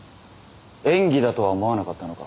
演技だとは思わなかったのか？